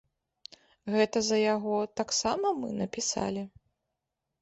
Гэта за яго таксама мы напісалі?